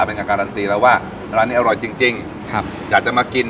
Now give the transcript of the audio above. เป็นการการันตีแล้วว่าร้านนี้อร่อยจริงจริงครับอยากจะมากิน